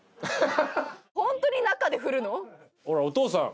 お父さん。